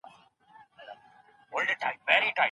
موږ معتبري نظريې منځ ته راوړو.